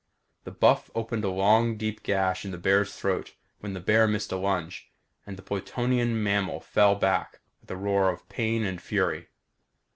The buff opened a long deep gash in the bear's throat when the bear missed a lunge and the Plutonian mammal fell back with a roar of pain and fury.